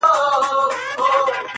• غازیان به نمانځي پردي پوځونه ,